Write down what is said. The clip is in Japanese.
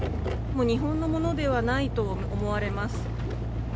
日本のものではないと思われます。